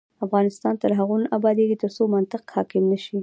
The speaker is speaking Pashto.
افغانستان تر هغو نه ابادیږي، ترڅو منطق حاکم نشي.